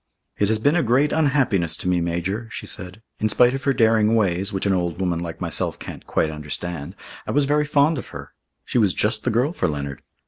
"It has been a great unhappiness to me, Major," she said. "In spite of her daring ways, which an old woman like myself can't quite understand, I was very fond of her. She was just the girl for Leonard.